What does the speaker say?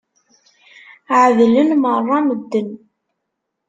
Ɛedlen meṛṛa medden.